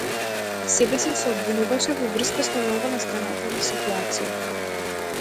Себеси се обвинуваше во врска со новонастанатата ситуација.